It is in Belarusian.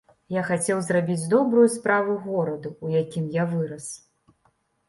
Я хацеў зрабіць добрую справу гораду, у якім я вырас.